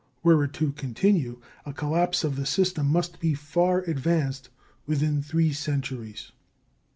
Were it to continue, a collapse of the system must be far advanced within three centuries.